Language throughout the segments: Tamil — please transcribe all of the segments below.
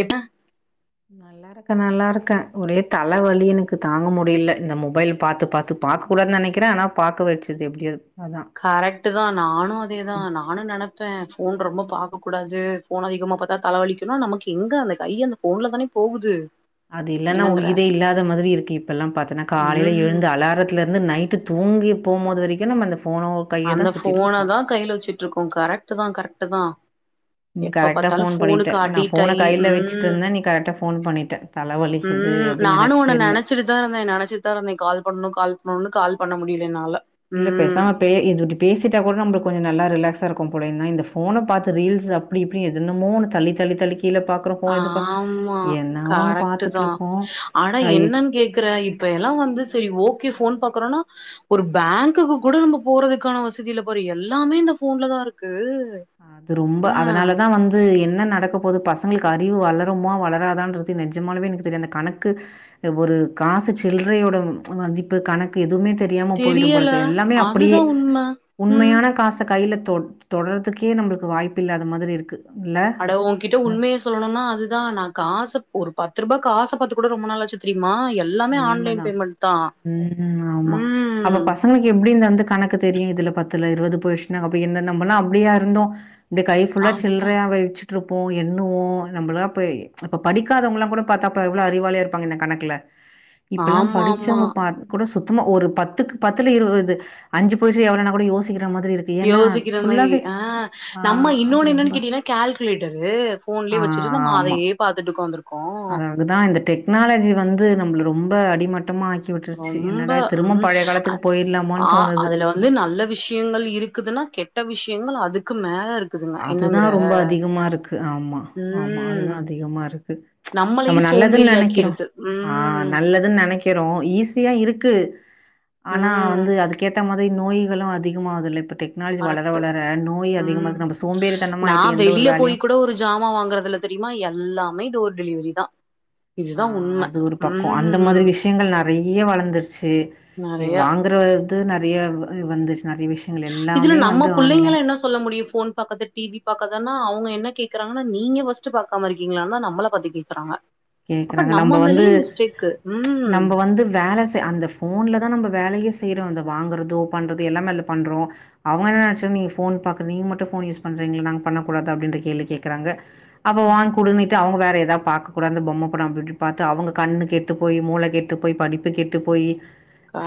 என்ன நல்லா இருக்கே நல்லா இருக்கே ஒரே தல வலி எனக்கு தாங்க முடியல இந்த மொபைல் பாத்து பாத்து பாக்க கூடாது நெனக்கிறே ஆனா பாக்க வெச்சது எப்டியாது அதா ட்டுதா நானு அதேதா நானு நெனப்பே போன் ரொம்ப பாக்க கூடாது போன் அதிகமா பாத்தா தலவலிக்குனா நமக்கு எங்க அந்த கை அந்த போன்ல தானே போகுது அது இல்லன்னா என்னங்கற உயிதே இல்லாத மாதிரி இருக்கு இப்ப எல்லா பாத்தன்னா காலையில ம் எழுந்து அலாரத்துல இருந்து நைட்டு தூங்கி போம்போது வரைக்கு நம்ம அந் அந்த போனதா கைலல வெச்சுட்டு இருக்கோ கரெக்ட் ட்தா கரெக்ட்டுதா நீ கரெக்டா போன் பண்ணிட்டே நா அடிட் போன ஆயி கைய்ல வச்சிட்டு இருந்தே நீ கரெக்டா போன் பண்ணிட்ட தல உம் நானு உன்ன நெனச்சிட்டதா இருந்தே நெனச்சிட்டதா இருந்த கால் பண்ணணு கால் பண்ணணு கால் பண்ண முடியல என்னால இல்ல ம் பேசாம பே இது பேசிட்டா கூட நம்மளுக்கு கொஞ்சோ நல்லா ரிலாக்ஸ் சருக்கும்போல ஏன்னா இந்த போனு பாத்தது ரீல்ஸ் அப்டி இப்டி எதுனமோ தள்ளி தள்ளி தள்ளிக் ஆமா ஒண்ணு கரெக்ட்தா பாத்துட்ருக்கோம். அட அ இப் என்னன்னு கேக்குற இப்ப எல்லா வந்து செரி ஓகே போன் பாக்ரொனா ஒரு ஃபேங்குக்கு கூட நம்ம போறதுக்கான வசதியில பாரு எல்லாமே இந்த போன்லதா இருக்கு அது ரொம்ப ஆ அதனாலதா வந்து என்ன நடக்க போது பஸ் உங்களுக்கு அறிவு வளருமா வளராதான்றது நெஜமாலுமே எனக்கு தெரியாது கணக்கு ஒரு காசு சில்ரையோட மதிப்பு கணக்கு எதுவுமே தெரியாம போயிடும் தெரியல போலருக்கு எல்லாமே அப்டியே அதுதான் உண்ம ம் உண்மையான காசு கையில தொட் தொடர்து த்துக்கே நம்மளுக்கு வாய்ப்பில்லாத மாதிரி இருக்கு இல்ல? அட ஓங்கிட்ட உண்மைய சொல்லணுனா அதுதா நா காசு ஒரு பத்து ரூபா காசு த்த பாத்து கூட ரொம்ப நாள் ஆச்சு திரீவ் உண்மதா உம் ம் ஆமா அப்ப ம் பசங்களுக்கு எப்டி இந்த வந்து கணக்கு தெரியு இதுல பத்துல ருவது போயிச்னா அப்டி என்ன நம்மல்லா அப்டியா இருந்தோ இந்த கை ஃபுல்லா அதுதான் சில்றயா வெச் ட்ருப்போ எண்ணுவோ நம்மளா ப்ப இப்ப படிக்காதவல்லா கோட பாத்தா அப்ப எவ்வளவு அறிவாளியா இருப்பாங்க இந்த கணக்குல இப்பெல்லா ஆமா ஆமா படிச்சவங்க பா கூட சுத்தமா ஒரு பத்துக்கு பத்துல இருவது அஞ்சு போயுருச்சுனா எவ்ளனா கூட யோசிக்கற யோசிக்கிற மாரி ஆஹ் ஆ நம்ம அது இன்னொன்னு ரொம்ப என்னன்னு கேட்டீன்னா கேல்குலேட்டரு ஃபோன்லயே வச்சுட்டு நம்ம அதையே பாத்துட்டு உக்காந்துருக் அ அதுதா இந்த டெக் னாலஜி வந்து நம்மள ரொம்ப அடிமட்டமா ஆக் ரொம்ப உம் அத் போயிடலாமான்னு ஆ தோணுது. அதுல வந்து நல்ல விஷயங்கள் இருக் குதுன்னா கெட்ட விஷயங்கள் அதுக்கு மேல இருக் அதுதா ரொம்ப அதிகமா இருக்கு ஆமா ஆமா அதுதா ம் அதிகமா இருக்கு ம்ச் நம்ம நம்மளையு நல்லதுன்னு நெனைக்றோ சோம்பேறியாக்கிருது ஆஹ் ம் நல்லதுன்னு நெனைக்றோ ஈஸியா இருக்கு ஆனா ம் வந்து அதுக்கேத்த மா இதய நோய்களு அதிகமாதில்ல இப் டெக்னாலஜி வளர கரெக்ட்டு வளர நோய் ம் அதிகமாக நம்ம சோம்பேறித்தனமா நா ஆயிட்டு எந்த ஒரு வெளிய போய் வேலையும் கூட ஒரு ஜாமா வாங்குறதுல தெரியுமா எல்லா ல்லாமே டோர் டெலிவரி தா இதுதா ஆஹ் உண்ம அது ஒரு பக்க அந்த ம் மாதிரி விஷயங்கள் நறைய வளர்ந்துருச்சு நீ நெறைய வாங்குற து நறைய வ வந்துச்சு நெறைய விஷயங்கள் இதுல எல்லாமே நம்ம வந்து ஆன்லைன். புள்ளைங்கள என்ன சொல்ல முடியு ஃபோன் பாக்காத டி வி பாக்காத அதனா அவங்க என்ன கேக்குறாங்கன்னா நீங்க ஃபர்ஸ்ட் பாக்காம இருக்கிங்களான்னுதா நம்மள பாத்து கேக்கறாங்க கேக்குறாங்க நம்ம வந்து ம் நம்ம வந்து வேல அந்த ஃபோன்ல தா நம்ம வேலையே செய் செய்யறோ வாங்கறதோ பண்றது எல்லாமே அதுல பண்றோ அவங்க என்ன நெனச்சாங்க நீங் ஃபோன் பாக்ற நீங்க மட்டு ஃபோன் யூஸ் பண்றீங்களா நாங்க பண்ணக்கூடாதா அப்படின்ற கேள்வி கேக்கறாங்க அப்ப வாங்க குடுன்னிட்டு அவங்க வேற எது அதா பாக் கூடாந்த பொம்மை படம் அப்படி பாத்து அவங்க கண்ணு கெட்டு போயி மூள கெட்டு போயி படிப்பு கெட்டு போயி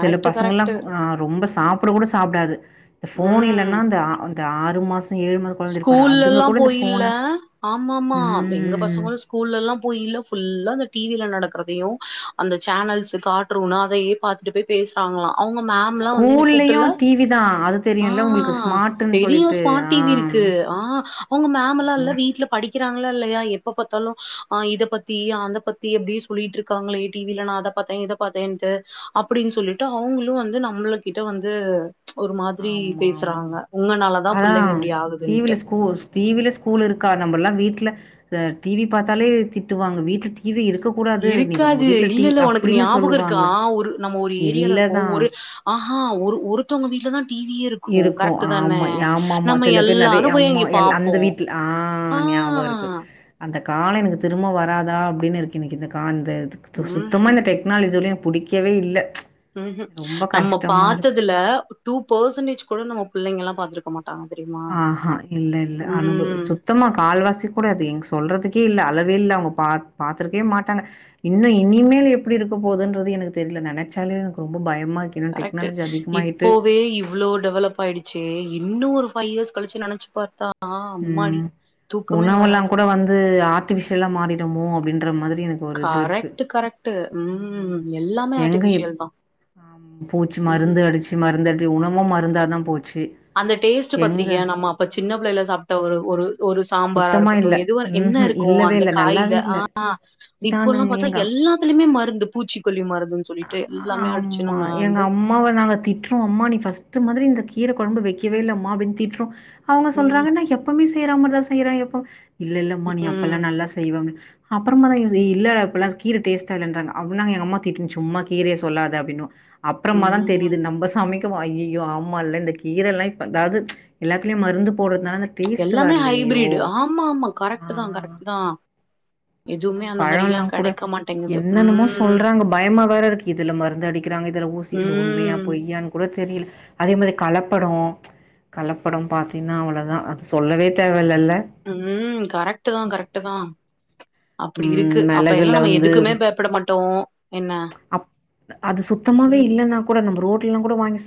சில பசங்கல்லா கரெக்ட் க ரொம்ப சாப்பட கூட சாப்டாது இந்த ஃபோன் இல்லன்னா அந்த ஆறு அந்த ஆறு மாச ஏழு கொழந்த இருக் பாரு ஸ்கூல்ல அதுங்க எல்லா கூட இந்த ஃபோன போயில்ல ஆமாமா எங்க ம் பசங்களு ஸ்கூல்ல எல்லா போயில்ல ஃபுல்லா அந்த டி வி ல நடக்கிறதையு அந்த சேனல்ஸ் காட்ரூன்னா அதையே பாத்துட்டு போய் பேசுறாங்களா அவங்க மேம்லா வந்து என்ன ஸ்கூல்லயு கூப்ட்டுல்ல டி வி தா அது ஆ தெரியுல்ல உங்களுக்கு ஸ்மார்ட்ன்னு தெரியு சொல்லிட்டு ஸ்மார்ட் டிவி ஆஹ் இருக்கு ஆஹ் அவங்க மேமல்லா இல்ல வீட்டுல படிக்கிறாங்களா இல்லையா எப்ப பார்த்தாலும்ஹ் இத பத்தி அத பத்தி எப்படியே சொல்லிட்டு இருக்காங்களே டிவில நான் அத பாத்தேன் இத பாத்தேன்ட்டு அப்படின்னு சொல்லிட்டு அவங்களும் வந்து நம்மள கிட்ட வந்து ஒரு மாதிரி ஆமா பேசுறாங்க உங்கனால தான் பிள்ளைங்க இப்படி ஆகுது டி வில ஸ்கூ டி வில ஸ்கூல் இருக்கா நம்ம எல்லா வீட்ல டி வி பாத்தாலே திட்டுவாங்க வீட்ல டி வி இருக்கு கூடாது நீங்க உங்க இருக்காது வீட்ல இல்ல இல்ல உனக்கு ஞாபகோ இருக்கா சொல்லுவாங்க ஆ ஒரு நம்ம ஒரு ஏரியால இல்லதா போம்போரு ஒரு ஆ ஆஹ ஒ ஒருத்தவங்க வீட்லதா டிவியே இருக்கு கரெக்ட் தான ஆமா ஆமாமா நம்ம சில பேர் எல்லாரு நெறயா போய் அம்மா அங்க எ பாப்போ அந்த வீட்ல ஆ ஆஹ் ஞாபகோ இருக்கு அந்த கால எனக்கு திரும்ப வராதா அப்டின்னு இருக்கு எனக்கு இந்த கால் அ சுத்தமா ம்ஹும் டெக்னாலஜிலயு புடிக்கவே இல்ல ப்ச் ஹும்ஹும் நம்ம பாத்ததுல டூ பர்சன்டேஜ் கூட நம் புள்ளங்க எல்லா பாத்திருக்க மாட் ஆஹஹா இல்ல இல்ல அனுபவம் ம் சுத்தமா கால்வாசி கூட அது எங்க சொல்றதுக்கே இல்ல அளவு அளவே இல்ல அவுங்க பா பாத்திருக்கவே மாட்டாங்க இன்னு இனிமேல் எப்படி இருக்க போதுன்றது எனக்கு தெரில நெனச்சாலே எனக்கு ரொம்ப பயமா இருக்கு. ஏன்னா கரெக்ட் டெக்னாலஜி அதிகமாயிட்டு இப்போவே இவ்ளவு டெவலப் ஆயிடுச்சு இன்னொரு பைவ் இயர்ஸ் கழிச்சு நெனச்சு பாத்தா அம்மாடி உம் தூக்கமே வராது உணவெல்லாங் கூட வந்து ஆர்டிபிஷியலா மாறிடுமோ அப்டின்ற மாரி கரெக்ட்டு கரெக்ட்டு ம் எல்லாமே எங்க இப் ஆர்ட்டிஃபிஷியல் தா ஆம் பூச்சி ம் மருந்து அடிச்சு மருந்து அடி உணவு மருந்தா தா போச் அந்த டேஸ்ட்டு பாத்திருக்கியா நம்ம அப்ப சின்ன பிள்ளைல சாப்ட்ட ஒரு ஒரு ஒரு சாம்பாரா சுத்தமா இருக்கட்டு இல்ல எதுவா என்ன ம்ஹூம் இருக்கோ இல்லவே அந்த இல்ல காயில நல்லாவே இல்ல ஆ இப்போ நானு ல்லா பாத்தா எங்க எல்லாத்துலிமே மருந்து பூச்சிக்கொல்லி மருந்துன் சொல்லிட்டு எல்லாமே அடிச்சு ஆமா நம்ம எங்க வந்து அம்மாவ நாங்க திட்டுறோம். அம்மா நீ ஃபர்ஸ்ட்டு மாதிரி இந்த கீர கொழம்பு வெக்கவே இல்ல மா அப்டின் திட்றோ அவுங்க ம் சொல்றாங்க நா எப்புமே செய்ற மார் தா கிற இப்போ இல்ல இல்லம்மா நீ அப்பெல்லா ம் நல்லா செய்வனு அப்பறமா தா [unintelligible] எ இல்ல இப்பல்லா கீர டேஸ்ட்டா இல்லென்றாங்க அப்டி நா எங்க அம்மா திட்டு சும்மா கீரய சொல்லாத அப்டின்னுவோ அப்றமா தா ம் தெரிது நம்ப சமைக்கவு ஐயியோ ஆமா ஆமால இந்த கீரெல்லா இப்ப அதாவ்து ச்ச் எல்லாத்லியு மருந்து போட்றத்னால டேஸ்ட்டு வர்லே ஹைப்ரீடு ஆமா ஆமா கரெக்ட்டு தா கரெக்ட்டு தா எதுவுமே அந்த பழொ மாரிலா எல்லா கூட கெடைக்க மாட்டேங்குது என்னன்னுமோ ம் சொல்றாங்க பயமா வேற இருக்கு இதுல மருந்து அடிக்கிறாங்க இதுல ஊசி இது உண்மையா ம் பொய்யான்னு கூட தெரில்ல அதே மாதிரி கலப்படம் கலப்படம் பாத்தீங்னா அவ்ளோதா அது சொல்லவே தேவ இல்லல உம் கரெக்ட்டு தா கரெக்ட்டு தா அப்டி இருக்கு ம் அப்ப மெளகுல எல்லா நம்ம வந்து எதுக்குமே பயேப்பட மாட் டோ அப் அது சுத்தமாவே ம் இல்லன்னா கூட நம்ம ரோட் எல்லா கூட வாங் சா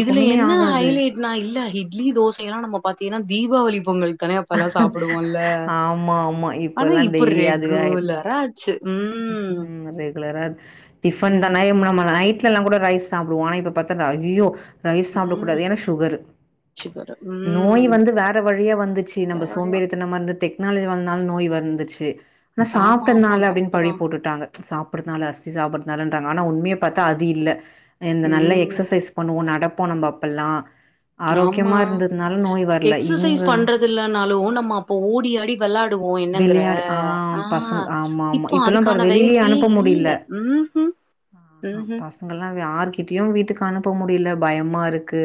இதுல என்ன ஹைலைட்னா இல்ல இட்லி தோச எல்லா நம்ம பாத்து ஏன்னா தீபாவளி பொங்கல் தானே அப்பல்லா சாப்டுவோல்ல ஆமா ஆமா இப்ப ஆனா எல்லாம் டெய்லி அதுவே ஆயிடுச்சு ரெகுலரா ஆச்சு ம் உம் ரெகுலரா டிபன் ம் தனைம நை விட்ல்லா கூட ரைஸ் சப்பிடுவோ ஆனா இப்ப பாத்தா ஐயோ ரைஸ் சாப்பிட ம் கூடாது ஏனா சுகரு சுகரு நோய் ம் வந்து வேற வழியா வந்துச்சு நம்ம வேறயா சோம்பேறித்தமா டெக் டெக்னாலஜி வளந்த நோய் வந்துச்சு ஆனா ஆமா ஆமா சாப்படனால அப்டின் கரெக்ட் பழி தா பொட்டுட்டாங்க சாப் படுதுனால ரிசு ப்படுனாலங்க ஆனா உண்மையா பாத்தா அது இல்ல இந்த நல்ல ம் எக்ஸசைஸ் பண்ணுவோ நடப் போன பாப்பல்லா ஆமா இவங்க எக்ஸசைஸ் பண்றது இல்லைனாலு நம்ம அப்போ ஓடி ஆடி வெளா யாடுவோ என்னங்கற விளையாடு ஆ பசங்க ஆஹ் ஆமா ஆமா இப்போ இப்பல்லா பாரு அதுக்கான வேல் வெளிலயே யே அனுப்ப முடில இல்ல உம் உம் கிட்டயு வீட்டுக்கு அனுப்ப முடியல பயமா இருக்கு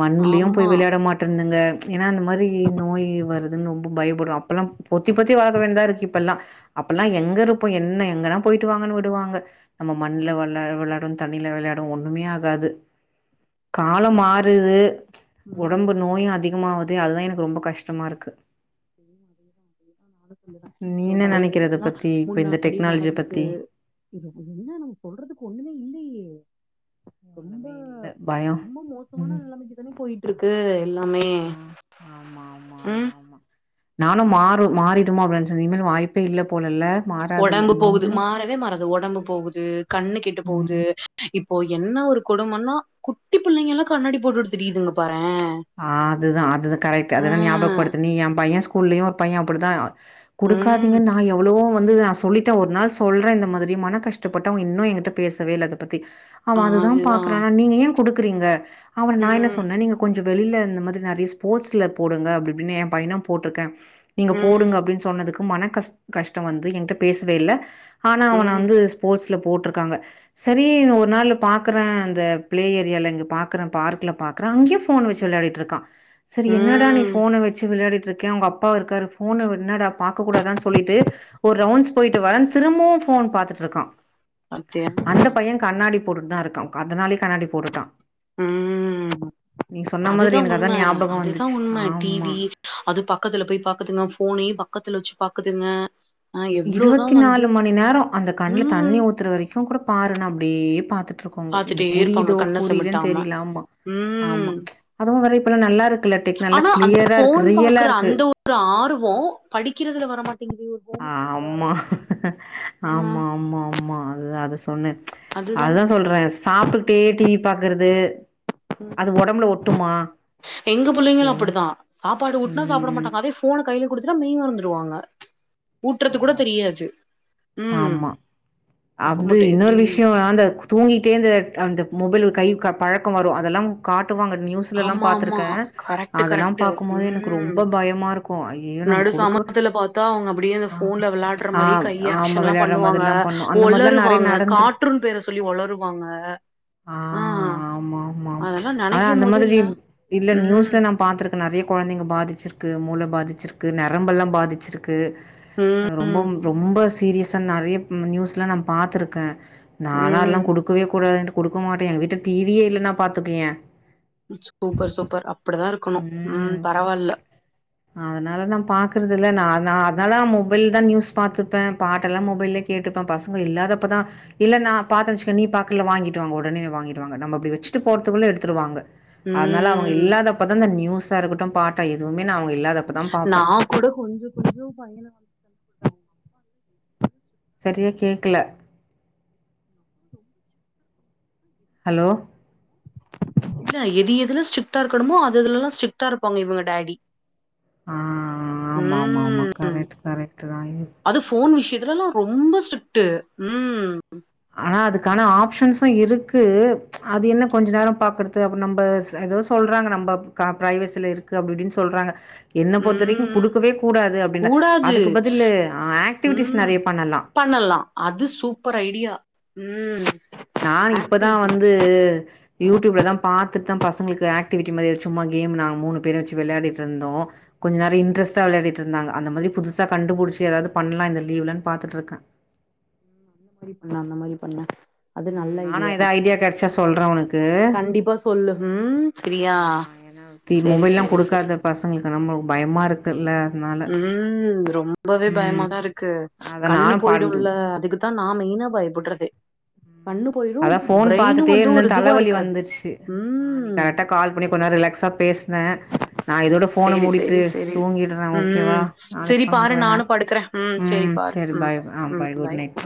மண்ணுலயு போய் ஆமா விளயாட மாட்டுதுங்க ஏன்னா அந்த மாரி நோய் வருது அதுனு ரொம்ப பயப்படுறாப் லம் பொத்தி பொத்தி வளகர வேண்தா இருக்கு இப்பெல்லா அப்பெல்லா ஆமா எங்க இருப்போ என்ன எங்கல்லா போயிட்டு வாங்கனு விடுவாங்க நம்ம மண்ல ஆமா விள விளயாடு தண்ணில விளயாடுவோ ஒண்ணுமே ஆகாது காலம் கரெக்ட் மாறுது கரெக்ட் ச் உடம்பு ம் நோயு அதிகமாது தேஅலைனுக் அதா எனக்கு ரொம்ப கஷ்டமா இருக்கு சரிமா அதேதான் அதேதான் நீ நான் ஏ என்ன பையன் நெனைக்கிற இத கிட்டல்லா பத்தி இப்ப இந்த முன்னாடி டெக்னாலஜிய நடந்தது பத்தி ரொம்ப ஒண்ணுமே இல்ல பயோ ரொம்ப மோசமான ம் நிலமைக்கு தானே போயிட்ருக்கு எல்லாமே ஆ உம் நானும் மாறும் மாறிடுமா அப்டின் நினச்சே இனிமேல் வாய்ப்பே இல்ல போலல்ல மாறாதுல்ல ஒடம்பு இது போகுது ஒண்ணுமே மாறவே மாறாது ஒடம்பு போகுது கண்ணு கெட்டு போகுது ம் இ ப்போ என்ன ஒரு கொடுமன்னா குட்டி பிள்ளைங்கெல்லா கண்ணாடி போட்டுட்டு திரியுதுங்க பா ஆதுதான் அதுதான் கரெக்ட் ஆ அதுதான் ஞாபகப்படுத்து நீ ஏம்பைய ஸ் கூல்லையு ஒரு பைய அப்டி தா ம் குடுக்காதிங்கன் நா எவ்ளவோ வந்து நா சொல்லிட்டே ஒரு நாள் சொல்றே இந்த மாரி மனக்கஷ்டப்பட்டு அவங்க இன்னு எங்கிட்ட பேசவே இல்ல அத பத்தி அவ அதுதா அதுதான் பாக்குறானா நீங்க ஏ குடுக்றீங்க அவன நா என்ன ம் சொன்னே நீங்க கொஞ் வெளில இந்த மாதிரி நெறய ஸ்போர்ட்ஸ்ல போடுங்க அப்டிஇப்டின்னு ஏ பையன போட்ருக்கே நீங்க ம் போடுங்க அப்படின் சொன்னதுக்கு மன கஷ் கஷ்டொவந்து என்ட்ட பேசுவேயில்ல ஆனா அவன ம் வந்து ஸ்போர்ட்ஸ் ல போட்ருக்காங்க சரீனு ஒரு நாளு பாக்குற அந்த பிளே ஏரியாலங்க பாக்குற பார்க்ல பாக்ற அங்யு போன் வச்சு விளையாடிட்ருக்கா சரி என்னடா நீ ம் ஃபோன வச்சு விளையாடி ட்ருக்கே உங்க அப்பா இருக்காரு ஃபோனு என்னடா பாக்க கூடாத சொல்லிட்டு ஒரு ரவுண்டஸ் போயிட்டு வரன் திரும்பவும் ஃபோன் பாத்துட்ருக்கா பாத்தியா அந்த பைய கண்ணாடி போட்டுட் தா இருக்கா அதனாலே கண்ணாடி போட்டுட்டா ம் மாதிரி அதுதா எனக்கு உண்ம அதான் ஞாபகம் அதுதா வந்துச்சு. உண்ம ஆமா. டிவி அது பக்கத்துல போய் பாக்குதுங்க போனையு ப பக்கத்துல வச்சு பாக்குதுங்க ஆ இருவத்தி எவ்ளோதான் வந்து நாலு மணி நேரோ அந்த கண்ல ம் தண்ணி ஊத்துற வரைக்கு கூட பாருனா ப்டியே பாத்து ருக்குங்க இது பாத்துட்டே இருப்பாங்க புரியுதோ கண்ண புரியலன் சிமிட்டாம தெரில ஆமா ஆமா ம் அதுவு வேற இப்ப எல்லா நல்லா இருக்குல டிக் நல்லா ஆனா அந்த கிளியராருக்கு ரியலாருக்கு வோ படிக்கிறதுல வரமாட் ஆமா ஆமா வரமாட்டேங்குது ஆமா ஆமா அது அத சொன்னு அதுதானே அதுதா சொல்ற சாப்டுகிட்டே டீவ் பாக்கறது எங்க புள்ளைங்களு எங் அப்படிதா சாப்பாடு ஊட்னா சாப்பிட ம். மாட்டாங்க அதே போன கையில குடுத் த மெய் மறந்துடுவாங்க ஊட்டுறது கூட ஆமா தெரியாது ம் ஆமா அப்ப அது மட்டு எப்டி இன்னொரு விஷயம் அந்த தூங்கிட்டே இந்த அந்த மொபைல் ஒரு கை க பழக்க வரு அதெல்லாம் காட் ட்டு வாங்க நியூஸ்ல எல்லா ஆமா ஆமா பாத்திருக்க கரெக்ட் அதெல்லா கரெக்ட் பாக்கும்போது எனக்கு ம் ரொம்ப பயமா இருக்கு ஐயயோ நம்ம நடு குடுக்க சாமத்துல பாத்தா அவங்க அப்டி அப்டியே அந்த ஆமா போன்ல விளாடுற ஆ மாரியே கை ஆமா ஆக்ஷன் எல்லா வெளையாடுற பண்ணுவாங்க மாதிரில்லா பண்ணு அந்த மாதிரிலா நெறைய ஒளருவாங்க நடந்திருக்கு கார்ட்டூன் பேர சொல்லி ஒளருவாங்க ஆ அ ஆமா ஆமா அதல்லா ஆனா நெனைக்கும் அந்த போது மாதிரி இல்ல இல்ல ம் க்கு மூள பாதிச்சிருக்கு நரம்பெல்லா பாதிச்சிருக்கு ம் ரொம்பம் ரொம்ப சீரியஸ் சார் நிறைய நியூஸ் எலாம் நான் பாத்திருக்க நானு அதெல்லா ம் குடுக்கவே கூடாதுன் குடுக்க மாட்ட எங்க வீட்ல டிவியே இல்லைன்னா பாத்துக்கய சூப்பர் சூப்பர் அப் ம் ப்ச் அதனால நான் பாக்குறது இது இல்ல நான் நான் அதனாலான் மொபைல் தான் நியூஸ் பாத்துப்ப பாட்டெல்லாம் மொபைல்லயே கேட்டுப்ப பசங்க இல்லாதப்பதா இல்ல நான் பாத்தென் வச்சுக்க நீ பாக்கல வாங்கிட்டு வாங்க உடனே வாங்கிட்டுவாங்க நம்ம அப்டி வச்சுட்டு போறதுக்குள்ளே எடுத்துடுவாங்க அதனால அவங்க ம் இல்லாதப்போ நியூஸா இருக்கட்டும் பாட்டா எதுவுமே ந அவ நான் கூட [unintelligible] [unintelligible] ரியா பையன கேக்கல [unintelligible] ஹலோ இல்ல எது எதுல ஸ்டிர்க்டா இருக்கணமோ அது அதுலல்லா ஸ்டிர்க்டா இருப்பாங்க இவங்க டாடி ஆஹ் ஆமா ஆமா ஆமா ம் கரெக்ட் கரெக்ட் தான் இதுலல்லாம் ரொம்ப ஸ்ரிக்ட்டு உம் ஆனா அதுக்கான ஆப்ஷன்ஸும் இருக்கு ப்ச் அது என்ன கொஞ்ச நேரம் பாக்குறது அப்ப நம்ப ஏதோ சொல்றாங்க நம்ம க பிரைவேசில இருக்கு அப்டி இப்டின்னு சொல்றாங்க என்ன பொறுத்த வரைக்கும் ம் குடுக்கவே கூடாது அப்டின்ற கூடாது அதுக்கு பதில் ஆக்டிவிட்டிஸ் ம் நிறைய பண்ணலாம் உம் நான் இப்பதான் வந்து யூடியூப்லதான் பாத்துட்டு தான் பசங்களுக்கு ஆக்டிவிட்டிமாதிரிது சும்ம கேம் நாங்க மூணு பேரும் வச்சு விளாடிட்டுருந்தோம் கொஞ்ச நேர இன்டரஸ்டா விளையாட்டு இருந்தாங்க அந்த மாதிரி புதுசா கண்டுபிடிச்சி ஏதாவது பண்லா இந்த லீவ்லன் பாத்துட்டு இருக்கேன் உம் அந்த மாதிரி பண்ணலாம் அந்த பண்ண அது உம் நல்ல நானா ஏத தா ஐடியா கிடைச்சா சொல்ர உனக் [unintelligible] கண்டிப்பா சொல்லு ம் சரியா ஆ ஏா சரி மொபைல்லாம் சரி சரி கொடுக்காத பசங்களுக்கு நம்ம பயமா இருக்கு துல்ல உம் ரொம்பவே பயமாதான் இருக்கு அத கண்ணு நானு பாடு போயிடும்ல அதுக்குதான் நான் மெயினா பயப்படுறதே கண்ணு போயிடு அதான் போன் பிரெயினு பார்த்துட்டே வந்து ஒரு இருந்தேன் இதுவா தலைவலி இருக்காது வந்துருச்சு நீ ம் கரெக்டா கால் பண்ணி கொஞ்ச ரிலாக்ஸா பேச ன் நான் இதோட போனை சேரி முடிட்டு சேரி சேரி தூங்கிடுறேன் ஓகேவா ம் நாளைக்கு செரி பாரு பண்றேன் நானு படுக்கறே ம் சேரி உம் பாரு சரி ம் பாய் ஆ பாய் குட் நைட்